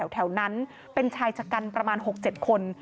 แถวนั้นเป็นชายชะกันประมาณ๖๗คน